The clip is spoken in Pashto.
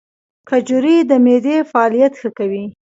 کجورې د معدې فعالیت ښه کوي.